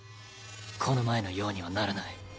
この前のようにはならない。